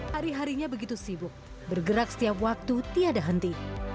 hari harinya begitu sibuk bergerak setiap waktu tiada henti